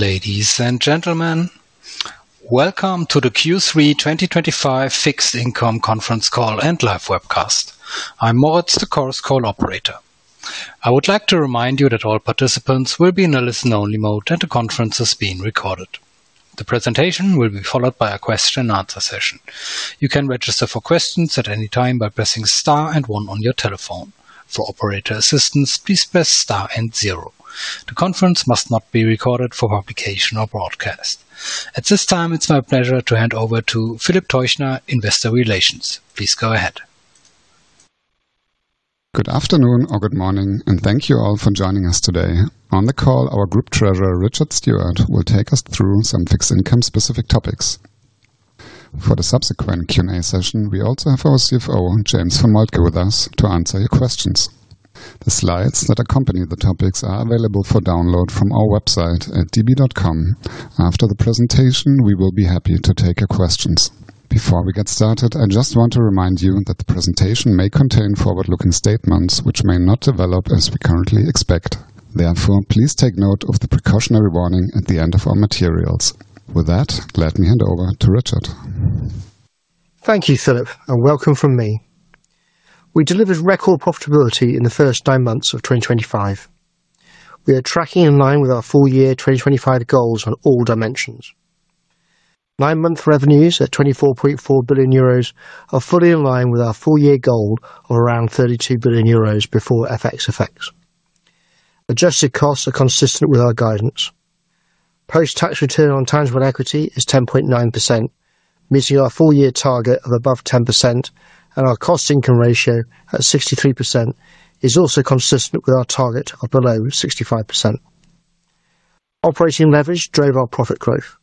Ladies and Gentlemen, welcome to the Q3 2025 Fixed Income Conference call and live webcast. I'm Moritz, the Chorus Call operator. I would like to remind you that all participants will be in a listen only mode and the conference is being recorded. The presentation will be followed by a question and answer session. You can register for questions at any time by pressing STAR and one on your telephone. For operator assistance, please press STAR and zero. The conference must not be recorded for publication or broadcast at this time. It's my pleasure to hand over to Philipp Teuchner, Investor Relations. Please go ahead. Good afternoon or good morning and thank you all for joining us today. On the call, our Group Treasurer Richard Stewart will take us through some fixed income specific topics. For the subsequent Q&A session, we also have our CFO James von Moltke with us to answer your questions. The slides that accompany the topics are available for download from our website at db.com. After the presentation, we will be happy to take questions. Before we get started, I just want to remind you that the presentation may contain forward-looking statements which may not develop as we currently expect. Therefore, please take note of the precautionary warning at the end of our materials. With that, let me hand over to Richard. Thank you, Philipp, and welcome from me. We delivered record profitability in the first nine months of 2025. We are tracking in line with our full year 2025 goals on all dimensions. Nine month revenues at 24.4 billion euros are fully in line with our full year goal of around 32 billion euros before FX effects. Adjusted costs are consistent with our guidance. Post-tax return on tangible equity is 10.9%, meeting our full year target of above 10%, and our cost-income ratio at 63% is also consistent with our target of below 65%. Operating leverage drove our profit growth.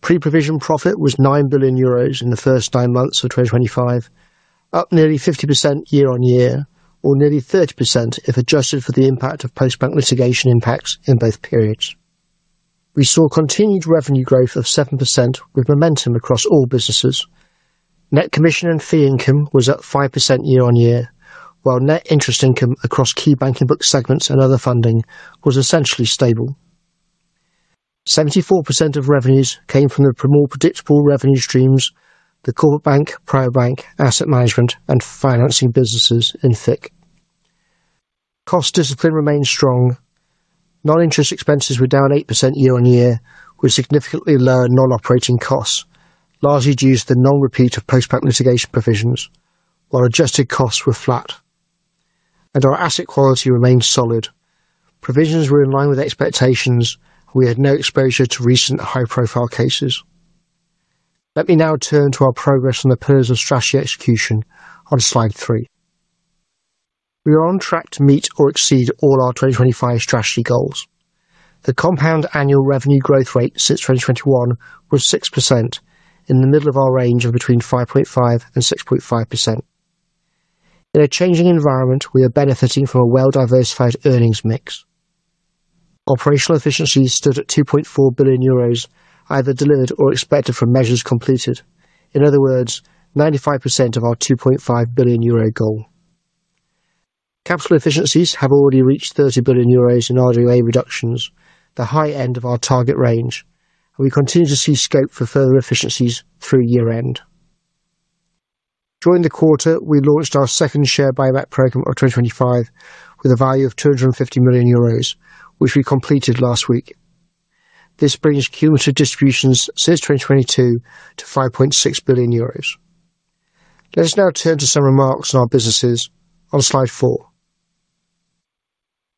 Pre-provision profit was 9 billion euros in the first nine months of 2025, up nearly 50% year on year or nearly 30% if adjusted for the impact of Postbank litigation impacts. In both periods, we saw continued revenue growth of 7% with momentum across all businesses. Net commission and fee income was up 5% year on year, while net interest income across key banking book segments and other funding was essentially stable. 74% of revenues came from the more predictable revenue streams. The Corporate Bank, Private Bank, Asset Management, and Financing businesses in FIC cost discipline remained strong. Non-interest expenses were down 8% year on year with significantly lower non-operating costs, largely due to the non-repeat of Postbank litigation provisions. While adjusted costs were flat and our asset quality remained solid. Provisions were in line with expectations. We had no exposure to recent high-profile cases. Let me now turn to our progress on the pillars of strategy execution. On slide 3, we are on track to meet or exceed all our 2025 strategy goals. The compound annual revenue growth rate since 2021 was 6%, in the middle of our range of between 5.5% and 6.5%. In a changing environment, we are benefiting from a well-diversified earnings mix. Operational efficiencies stood at 2.4 billion euros either delivered or expected from measures completed. In other words, 95% of our 2.5 billion euro goal. Capital efficiencies have already reached 30 billion euros in RWA reductions, the high end of our target range. We continue to see scope for further efficiencies through year end. During the quarter, we launched our second share buyback program of 2025 with a value of 250 million euros, which we completed last week. This brings cumulative distributions since 2022 to 5.6 billion euros. Let us now turn to some remarks on our businesses on slide four.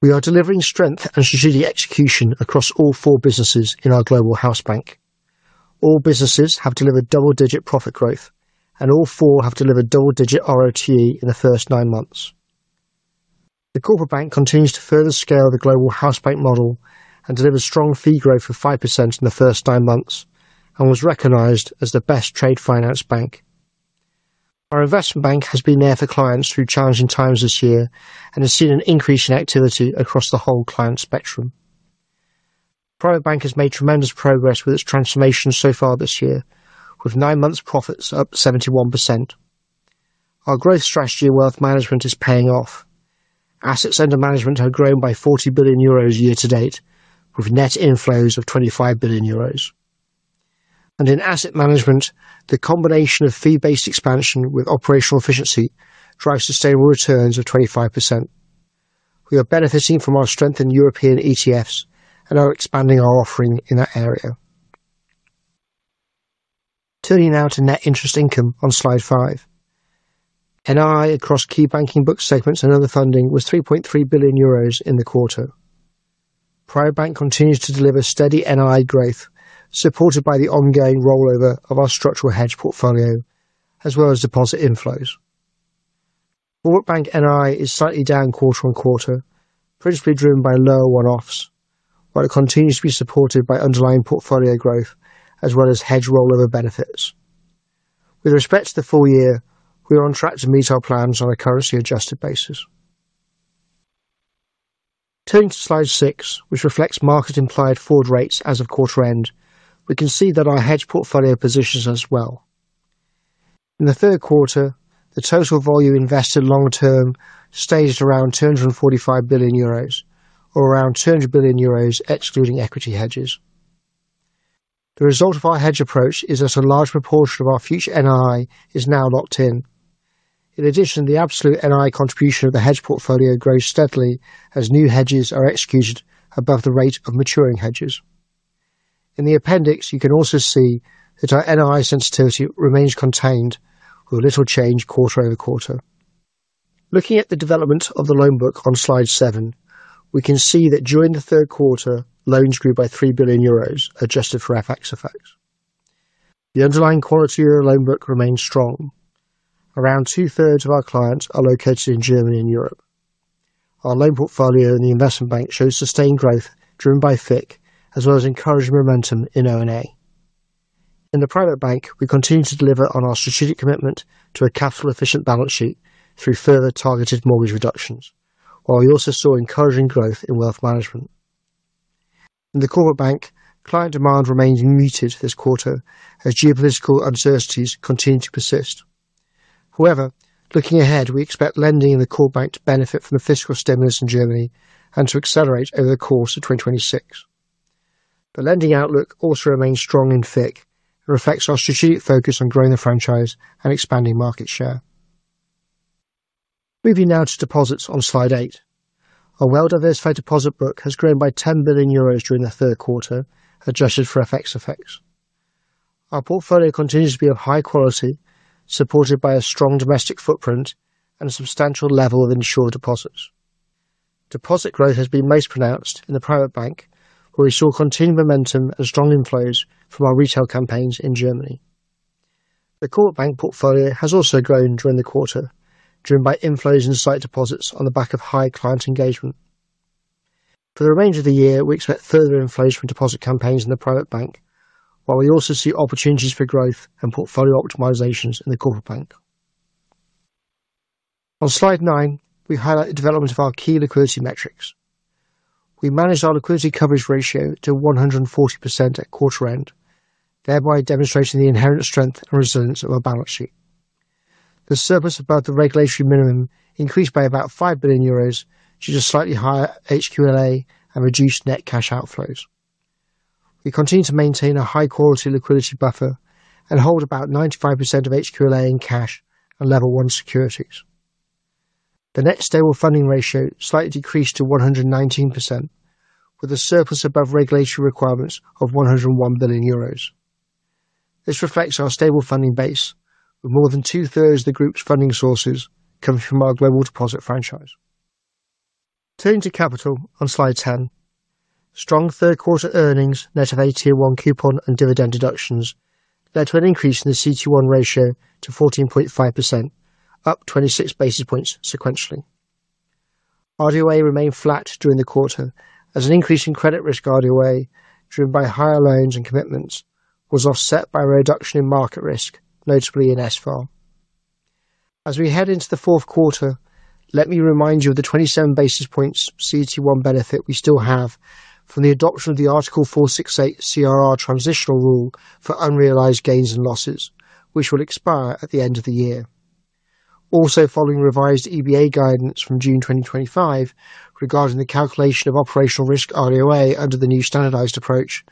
We are delivering strength and strategic execution across all four businesses in our Global House Bank. All businesses have delivered double-digit profit growth and all four have delivered double-digit RoTE in the first nine months. The Corporate Bank continues to further scale the Global House Bank model and delivered strong fee growth of 5% in the first nine months and was recognized as the best trade finance bank. Our Investment Bank has been there for clients through challenging times this year and has seen an increase in activity across the whole client spectrum. Private Bank has made tremendous progress with its transformation so far this year with nine months profits up 71%. Our growth strategy in Wealth Management is paying off. Assets under management have grown by 40 billion euros year to date with net inflows of 25 billion euros. In Asset Management, the combination of fee-based expansion with operational efficiency drives sustainable returns of 25%. We are benefiting from our strength in European ETFs and are expanding our offering in that area. Turning now to net interest income on slide five, NII across key banking book segments and other funding was 3.3 billion euros in the quarter. Private Bank continues to deliver steady NII growth supported by the ongoing rollover of our structural hedge portfolio as well as deposit inflows. Corporate Bank NII is slightly down quarter on quarter, principally driven by lower one-offs, while it continues to be supported by underlying portfolio growth as well as hedge rollover benefits. With respect to the full year, we are on track to meet our plans on a currency-adjusted basis. Turning to slide six, which reflects market implied forward rates as of quarter end, we can see that our hedge portfolio positions us well in the third quarter. The total volume invested long term stayed around 245 billion euros or around 200 billion euros excluding equity hedges. The result of our hedge approach is that a large proportion of our future NII is now locked in. In addition, the absolute NII contribution of the hedge portfolio grows steadily as new hedges are executed above the rate of maturing hedges. In the appendix, you can also see that our NII sensitivity remains contained with little change quarter over quarter. Looking at the development of the loan book on slide 7, we can see that during the third quarter loans grew by 3 billion euros adjusted for FX effects. The underlying quality of the loan book remains strong. Around two thirds of our clients are located in Germany and Europe. Our loan portfolio in the investment bank shows sustained growth driven by FIC as well as encouraged momentum in O&A. In the private bank, we continue to deliver on our strategic commitment to a capital efficient balance sheet through further targeted mortgage reductions. We also saw encouraging growth in wealth management in the Corporate Bank. Client demand remains muted this quarter as geopolitical uncertainties continue to persist. However, looking ahead, we expect lending in the Corporate Bank to benefit from the fiscal stimulus in Germany and to accelerate over the course of 2026. The lending outlook also remains strong in FIC. It reflects our strategic focus on growing the franchise and expanding market share. Moving now to deposits on Slide eight, our well-diversified deposit book has grown by 10 billion euros during the third quarter. Adjusted for FX effects, our portfolio continues to be of high quality, supported by a strong domestic footprint and a substantial level of insured deposits. Deposit growth has been most pronounced in the private bank, where we saw continued momentum and strong inflows from our retail campaigns. In Germany, the Corporate Bank portfolio has also grown during the quarter, driven by inflows in sight deposits on the back of high client engagement. For the remainder of the year, we expect further inflows from deposit campaigns in the Private Bank. We also see opportunities for growth and portfolio optimizations in the corporate bank. On Slide nine, we highlight the development of our key liquidity metrics. We managed our liquidity coverage ratio to 140% at quarter end, thereby demonstrating the inherent strength and resilience of our balance sheet. The surplus above the regulatory minimum increased by about 5 billion euros due to slightly higher HQLA and reduced net cash outflows. We continue to maintain a high-quality liquidity buffer and hold about 95% of HQLA in cash and Level 1 securities. The net stable funding ratio slightly decreased to 119% with a surplus above regulatory requirements of 101 billion euros. This reflects our stable funding base, with more than two thirds of the group's funding sources coming from our global deposit franchise. Turning to capital on Slide 10, strong third quarter earnings net of a Tier 1 coupon and dividend deductions led to an increase in the CET1 ratio to 14.5%, up 26 basis points sequentially. RWA remained flat during the quarter as an increase in credit risk RWA driven by higher loans and commitments was offset by a reduction in market risk, notably in SFAR. As we head into the fourth quarter, let me remind you of the 27 basis points CET1 benefit we still have from the adoption of the Article 468 CRR transitional rule for unrealized gains and losses, which will expire at the end of the year. Also, following revised EBA guidance from June 2025 regarding the calculation of operational risk under the new standardized approach,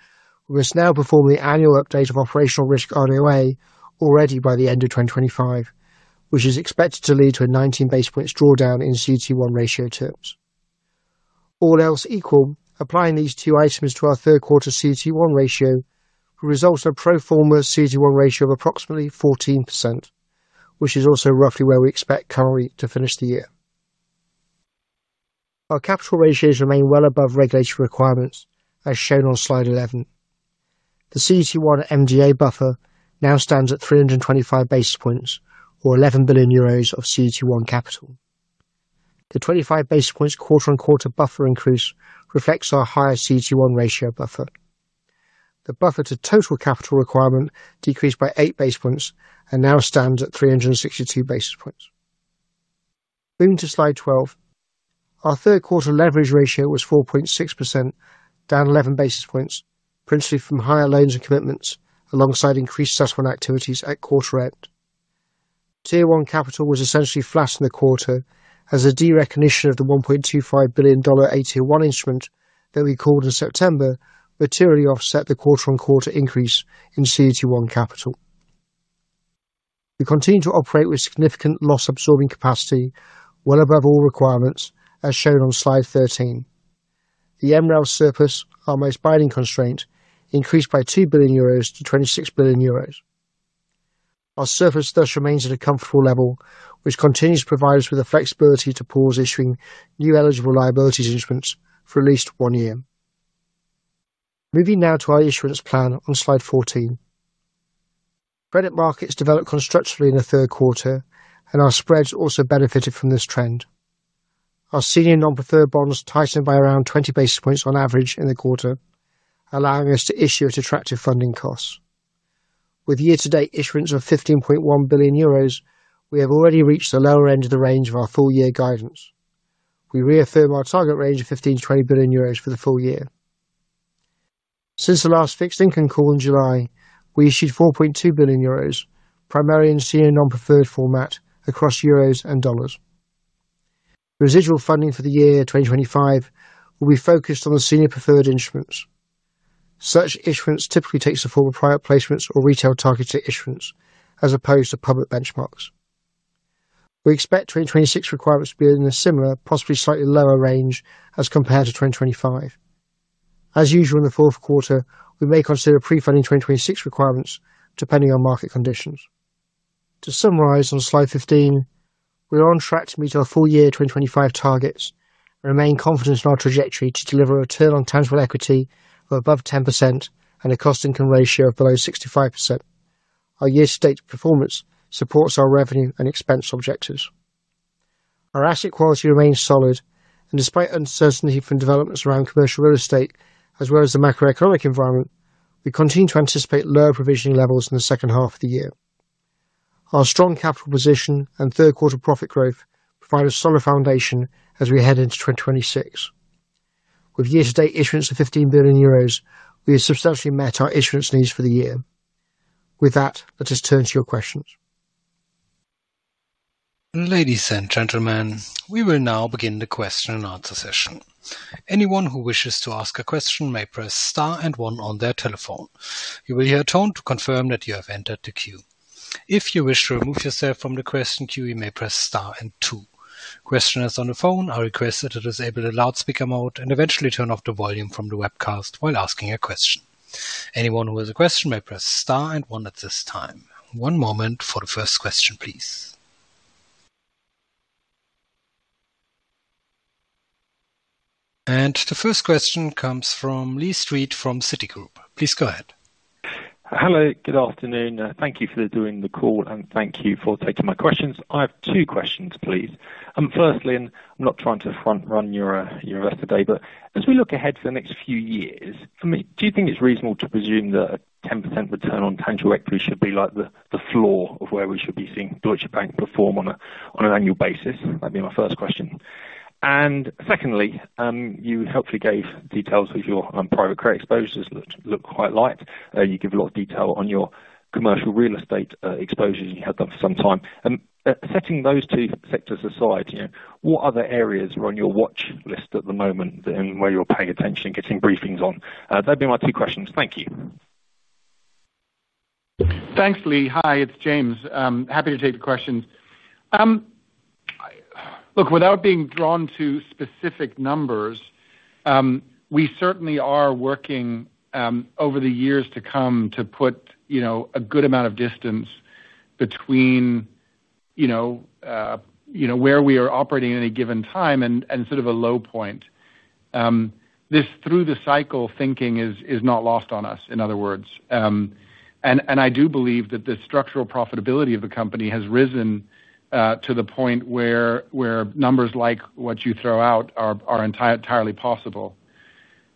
we must now perform the annual update of operational risk RWA already by the end of 2025, which is expected to lead to a 19 basis points drawdown in CET1 ratio terms, all else equal. Applying these two items to our third quarter CET1 ratio will result in a pro forma CET1 ratio of approximately 14%, which is also roughly where we expect current RWA to finish. Our capital ratios remain well above regulatory requirements. As shown on slide 11, the CET1 MDA buffer now stands at 325 basis points or 11 billion euros of CET1 capital. The 25 basis points quarter-on-quarter buffer increase reflects our higher CET1 ratio buffer. The buffer to total capital requirement decreased by 8 basis points and now stands at 362 basis points. Moving to slide 12, our third quarter leverage ratio was 4.6%, down 11 basis points principally from higher loans and commitments alongside increased settlement activities at quarter end. Tier 1 capital was essentially flat in the quarter as the derecognition of the $1.25 billion Tier 1 instrument that we called in September materially offset the quarter-on-quarter increase in CET1 capital. We continue to operate with significant loss-absorbing capacity well above all requirements. As shown on slide 13, the MREL surplus, our most binding constraint, increased by 2 billion euros to 26 billion euros. Our surplus thus remains at a comfortable level, which continues to provide us with the flexibility to pause issuing new eligible liabilities instruments for at least one year. Moving now to our issuance plan on slide 14, credit markets developed constructively in the third quarter and our spreads also benefited from this trend. Our senior non-preferred bonds tightened by around 20 basis points on average in the quarter, allowing us to issue at attractive funding costs. With year-to-date issuance of 15.1 billion euros, we have already reached the lower end of the range of our full-year guidance. We reaffirm our target range of 15 billion-20 billion euros for the full year. Since the last fixed income call in July, we issued 4.2 billion euros primarily in senior non-preferred format across euros and dollars. Residual funding for the year 2025 will be focused on the senior preferred instruments. Such issuance typically takes the form of private placements or retail-targeted issuance as opposed to public benchmarks. We expect 2026 requirements to be in a similar, possibly slightly lower range as compared to 2025. As usual in the fourth quarter, we may consider pre-funding 2026 requirements depending on market conditions. To summarize on slide 15, we are on track to meet our full year 2025 targets and remain confident in our trajectory to deliver a return on tangible equity of above 10% and a cost-income ratio of below 65%. Our year-to-date performance supports our revenue and expense objectives. Our asset quality remains solid, and despite uncertainty from developments around commercial real estate as well as the macroeconomic environment, we continue to anticipate lower provisioning levels in the second half of the year. Our strong capital position and third quarter profit growth provide a solid foundation as we head into 2026. With year-to-date issuance of 15 billion euros, we have substantially met our issuance needs for the year. With that, let us turn to your questions. Ladies and gentlemen, we will now begin the question and answer session. Anyone who wishes to ask a question may press star and one on their telephone. You will hear a tone to confirm that you have entered the queue. If you wish to remove yourself from the question queue, you may press star and two. Questioners on the phone are requested to disable the loudspeaker mode and eventually turn off the volume from the webcast while asking a question. Anyone who has a question may press star and one at this time. One moment for the first question, please. The first question comes from Lee Street from Citigroup. Please go ahead. Hello, good afternoon. Thank you for doing the call and thank you for taking my questions. I have two questions, please. First, not trying to front run your investor day, but as we look ahead for the next few years, do you think it's reasonable to presume that a 10% return on tangible equity should be like the floor of where we should be seeing Deutsche Bank perform on an annual basis? That'd be my first question. Secondly, you helpfully gave details of your private credit exposures, which look quite light. You give a lot of detail on your commercial real estate exposures. You had that for some time. Setting those two sectors aside, what other areas are on your watch list at the moment and where you're paying attention, getting briefings on? That would be my two questions. Thank you. Thanks, Lee. Hi, it's James. Happy to take the questions. Look, without being drawn to specific numbers, we certainly are working over the years to come to put a good amount of distance between where we are operating at any given time and sort of a low point. This through-the-cycle thinking is not lost on us. In other words, I do believe that the structural profitability of the company has risen to the point where numbers like what you throw out are entirely possible.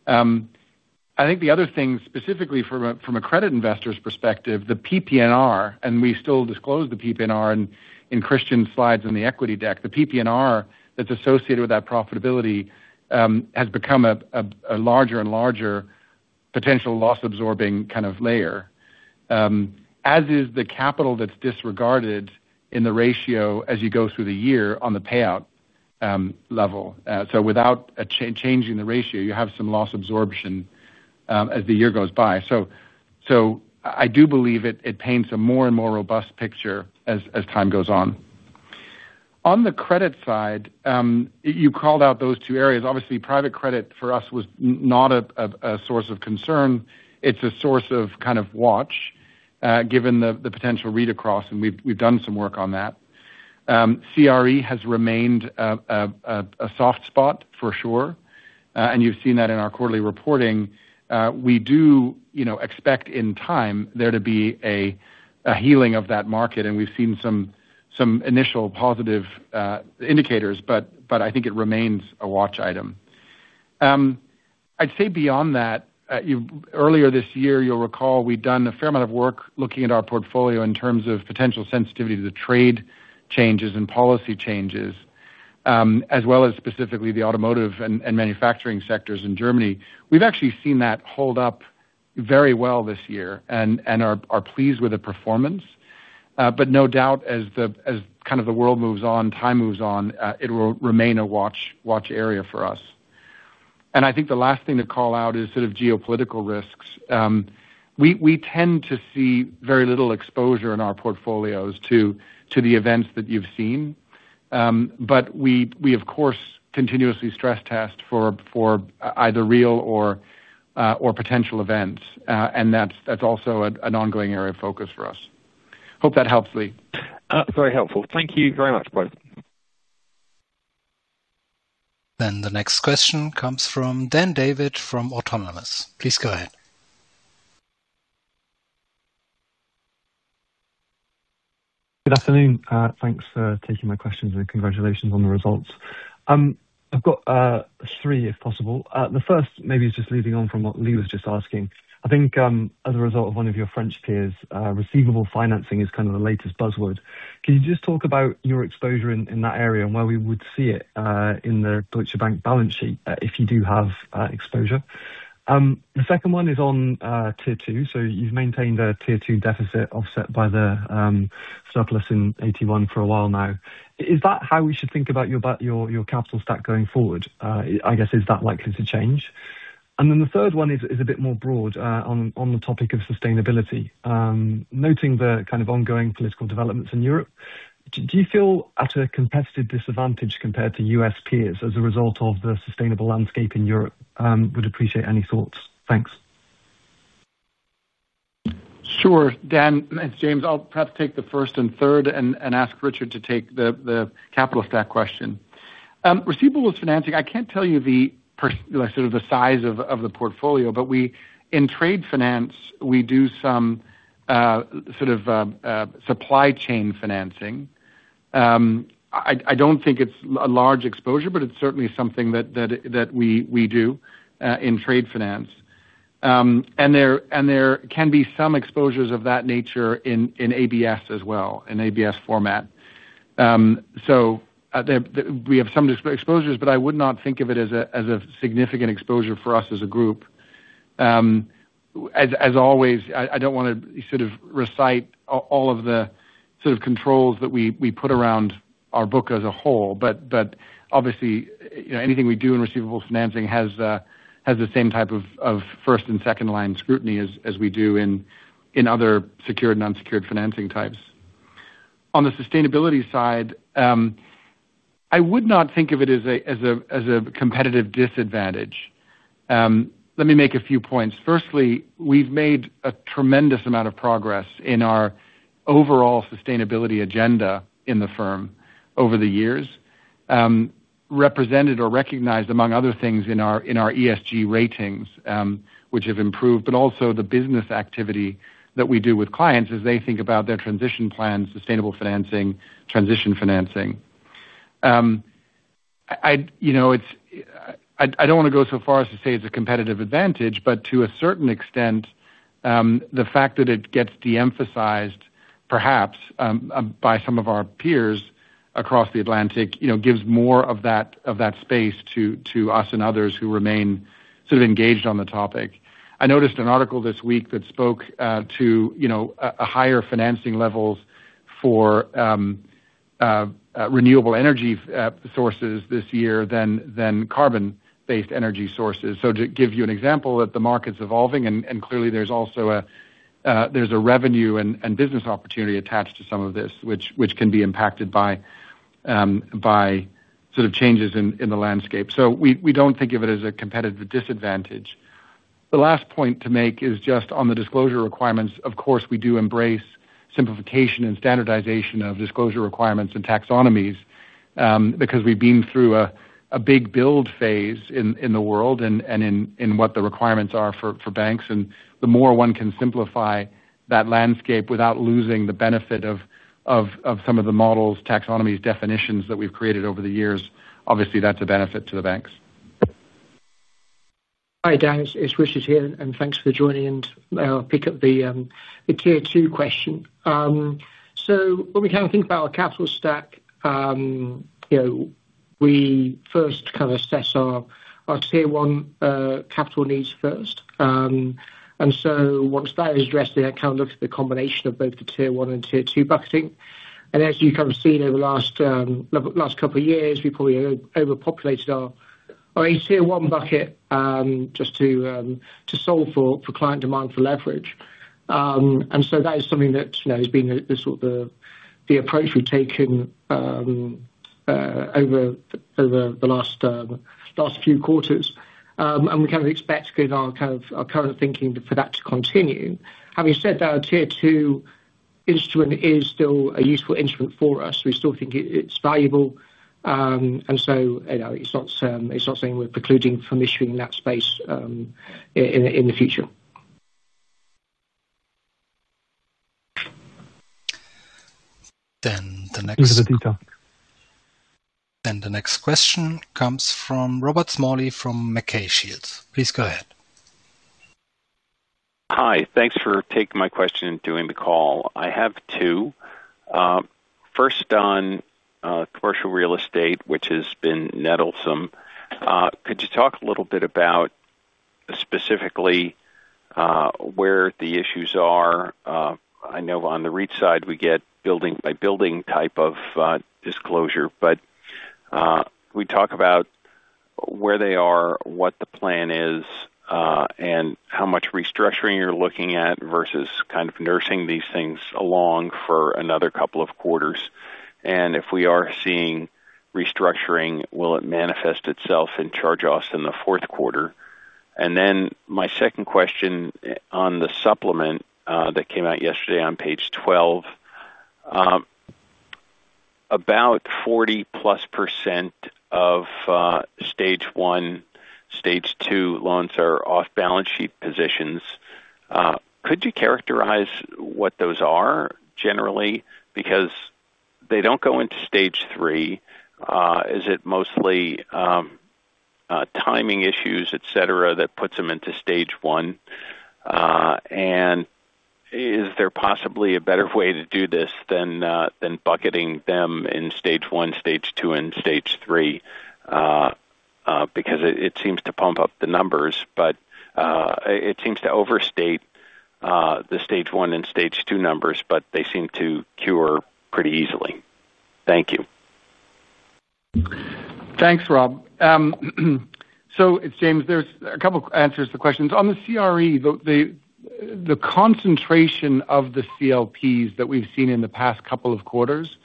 I think the other thing specifically from a credit investors perspective, the PPNR, and we still disclose the PPNR in Christian's slides in the Equity deck. The PPNR that's associated with that profitability has become a larger and larger potential loss-absorbing kind of layer, as is the capital that's disregarded in the ratio as you go through the year on the payout level. Without changing the ratio, you have some loss absorption as the year goes by. I do believe it paints a more and more robust picture as time goes on. On the credit side, you called out those two areas. Obviously, private credit for us was not a source of concern. It's a source of kind of watch given the potential read across, and we've done some work on that. CRE has remained a soft spot for sure, and you've seen that in our quarterly reporting. We do expect in time there to be a healing of that market, and we've seen some initial positive indicators, but I think it remains a watch item. I'd say beyond that, earlier this year, you'll recall we'd done a fair amount of work looking at our portfolio in terms of potential sensitivity to the trade changes and policy changes, as well as specifically the automotive and manufacturing sectors in Germany. We've actually seen that hold up very well this year and are pleased with the performance. No doubt as the world moves on, time moves on, it will remain a watch area for us. I think the last thing to call out is sort of geopolitical risks. We tend to see very little exposure in our portfolios to the events that you've seen. We of course continuously stress test for either real or potential events, and that's also an ongoing area of focus for us. Hope that helps. Lee? very helpful. Thank you very much, both. The next question comes from Dan David from Autonomous. Please go ahead. Good afternoon. Thanks for taking my questions and congratulations on the results. I've got three if possible. The first maybe is just leading on from what Lee was just asking. I think as a result of one of your French peers, receivables financing is kind of the latest buzzword. Can you just talk about your exposure in that area and where we would see it in the Deutsche Bank balance sheet if you do have exposure? The second one is on Tier 2. You've maintained a Tier 2 deficit offset by the surplus in AT1 for a while now. Is that how we should think about your capital stack going forward? I guess. Is that likely to change? The third one is a bit more broad on the topic of sustainability, noting the kind of ongoing political developments in Europe. Do you feel at a competitive disadvantage compared to U.S. peers as a result of the sustainability landscape in Europe? Would appreciate any thoughts, thanks. Sure, Dan. Thanks, James. I'll perhaps take the first and third and ask Richard to take the capital stack question. Receivables financing, I can't tell you the sort of the size of the portfolio, but we in trade finance, we do some sort of supply chain financing. I don't think it's a large exposure, but it's certainly something that we do in trade finance, and there can be some exposures of that nature in ABS as well, in ABS format. We have some exposures, but I would not think of it as a significant exposure for us as a group. As always, I don't want to recite all of the controls that we put around our book as a whole, but obviously anything we do in receivables financing has the same type of first and second line scrutiny as we do in other secured, non-secured financing types. On the sustainability side, I would not think of it as a competitive disadvantage. Let me make a few points. Firstly, we've made a tremendous amount of progress in our overall sustainability agenda in the firm over the years, represented or recognized, among other things, in our ESG ratings, which have improved, but also the business activity that we do with clients as they think about their transition plans, sustainable financing, transition financing. I don't want to go so far as to say it's a competitive advantage, but to a certain extent, the fact that it gets de-emphasized perhaps by some of our peers across the Atlantic gives more of that space to us and others who remain engaged on the topic. I noticed an article this week that spoke to higher financing levels. For. Renewable energy sources this year than carbon-based energy sources. To give you an example, the market's evolving and clearly there's also a revenue and business opportunity attached to some of this, which can be impacted by changes in the landscape. We don't think of it as a competitive disadvantage. The last point to make is just on the disclosure requirements. Of course, we do embrace simplification and standardization of disclosure requirements and taxonomies because we've been through a big build phase in the world and what the requirements are for banks. The more one can simplify that landscape without losing the benefit of some of the models, taxonomies, definitions that we've created over the years, that's a benefit to the banks. Hi Dan, it's Richard here and thanks for joining. Pick up the Tier 2 question. When we kind of think about our capital stack, you know, we first kind of assess our Tier 1 capital needs first. Once that is addressed, the account looks at the combination of both the Tier 1 and Tier 2 bucketing. As you kind of seen over the last couple of years, we probably overpopulated our CET1 bucket just to solve for client demand, for leverage. That is something that has been the approach we've taken over the last few quarters. We kind of expect our current thinking for that to continue. Having said that, Tier 2 instrument is still a useful instrument for us. We still think it's valuable. It's not saying we're precluding from issuing that space in the future. The next question comes from Robert Smalley from MacKay Shields. Please go ahead. Hi, thanks for taking my question during the call. I have two. First, on commercial real estate, which has been nettlesome, could you talk a little bit about specifically where the issues are? I know on the REIT side we get building by building type of disclosure, but we talk about where they are, what the plan is, and how much restructuring you're looking at versus kind of nursing these things along for another couple of quarters. If we are seeing restructuring, will it manifest itself in charge-offs in the fourth quarter? My second question is on the supplement that came out yesterday on page. 12. About 40%+ of stage one, stage two loans are off-balance sheet positions. Could you characterize what those are generally, because they don't go into stage three? Is it mostly timing issues, et cetera, that puts them into stage one? Is there possibly a better way to do this than bucketing them in stage one, stage two, and stage three? It seems to pump up the numbers, but it seems to overstate the stage one and stage two numbers, though they seem to cure pretty easily. Thank you. Thanks, Rob. So it's James, there's a couple answers to questions on the CRE. The concentration of the CLPs that we've seen in the past couple of quarters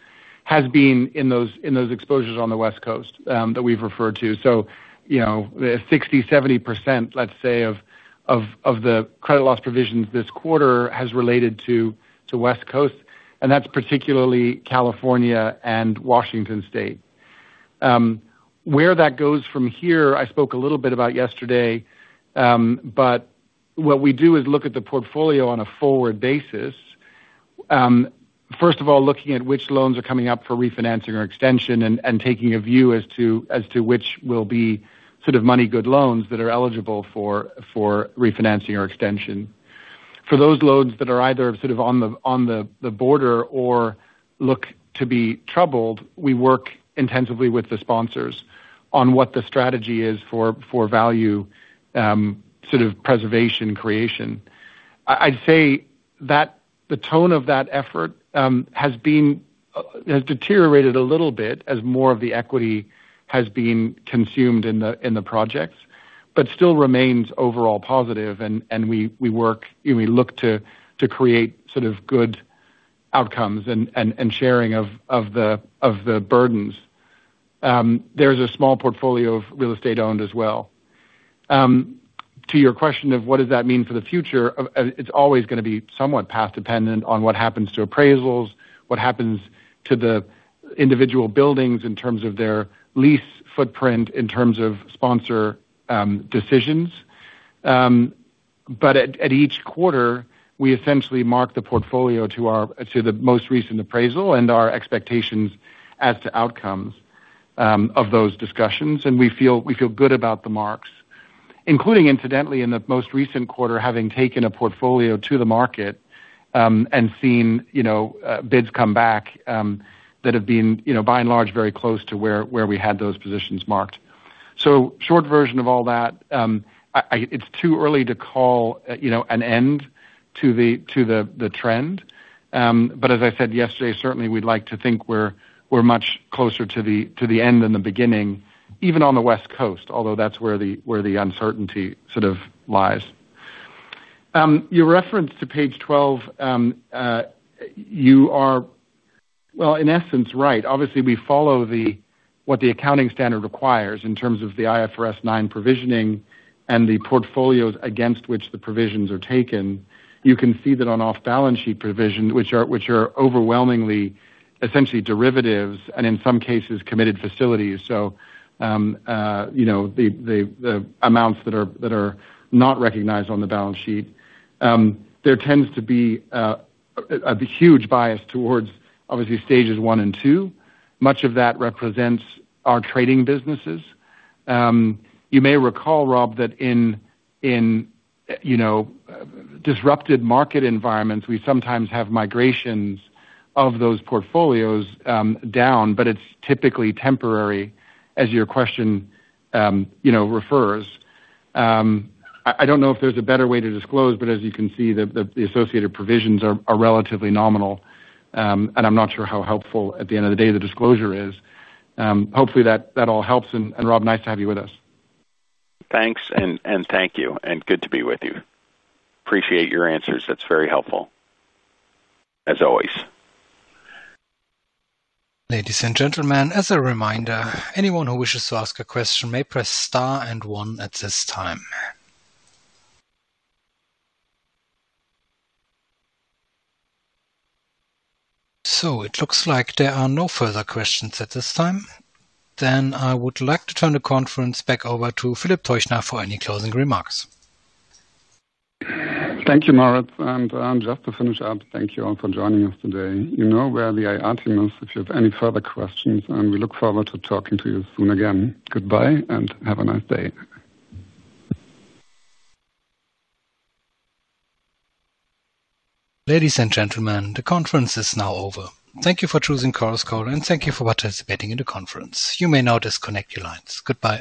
has been in those exposures on the West Coast that we've referred to. You know, 60%, 70%, let's say, of the credit loss provisions this quarter has related to West Coast and that's particularly California and Washington State. Where that goes from here, I spoke a little bit about yesterday, but what we do is look at the portfolio on a forward basis, first of all, looking at which loans are coming up for refinancing or extension and taking a view as to which will be sort of money good loans that are eligible for refinancing or extension. For those loans that are either sort of on the border or look to be troubled, we work intensively with the sponsors on what the strategy is for value, sort of preservation creation. I'd say that the tone of that effort has deteriorated a little bit as more of the equity has been consumed in the projects, but still remains overall positive. We look to create sort of good outcomes and sharing of the burdens. There's a small portfolio of real estate owned as well. To your question of what does that mean for the future, it's always going to be somewhat past dependent, dependent on what happens to appraisals, what happens to the individual buildings in terms of their lease footprint, in terms of sponsor decisions. At each quarter we essentially mark the portfolio to the most recent appraisal and our expectations as to outcomes of those discussions, and we feel good about the marks, including incidentally in the most recent quarter, having taken a portfolio to the market and seen bids come back that have been, by and large, very close to where we had those positions marked. Short version of all that, it's too early to call an end to the trend. As I said yesterday, certainly we'd like to think we're much closer to the end than the beginning, even on the West Coast, although that's where the uncertainty is. Your reference to page 12, you are well in essence right. Obviously we follow what the accounting standard requires in terms of the IFRS 9 provisioning and the portfolios against which the provisions are taken. You can see that on off balance sheet provisions, which are overwhelmingly essentially derivatives and in some cases committed facilities. The amounts that are not recognized on the balance sheet tend to have a huge bias towards obviously stages one and two. Much of that represents our trading businesses. You may recall, Rob, that in disrupted market environments we sometimes have migrations of those portfolios down. It's typically temporary, as your question refers. I don't know if there's a better way to disclose, but as you can see, the associated provisions are relatively nominal. I'm not sure how helpful at the end of the day the disclosure is. Hopefully that all helps. Rob, nice to have you with us. Thanks, and good to be with you. Appreciate your answers. That's very helpful as always. Ladies and gentlemen, as a reminder, anyone who wishes to ask a question may press star and one at this time. It looks like there are no further questions at this time. I would like to turn the conference back over to Philipp Teuchner for any closing remarks. Thank you, Moritz. Just to finish up, thank you all for joining us today. You know where the IR team is if you have any further questions, and we look forward to talking to you soon again. Goodbye and have a nice day. Ladies and gentlemen, the conference is now over. Thank you for choosing Chorus Call and thank you for participating in the conference. You may now disconnect your lines. Goodbye.